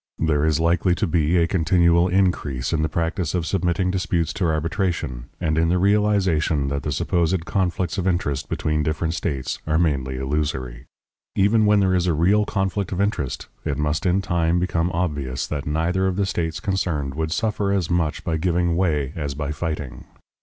There is likely to be a continual increase in the practice of submitting disputes to arbitration, and in the realization that the supposed conflicts of interest between different states are mainly illusory. Even where there is a real conflict of interest, it must in time become obvious that neither of the states concerned would suffer as much by giving way as by fighting.